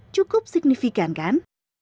cukup signifikan kan